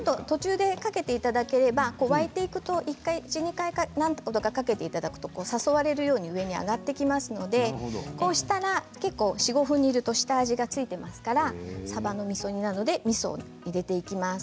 上からかけていただくと１、２回か何度か、かけていただくと誘われるように上に上がってきますので４、５分煮ると下味が付いてますからさばのみそ煮なのでみそを入れていきます。